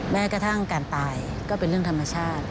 แม้กระทั่งการตายก็เป็นเรื่องธรรมชาติ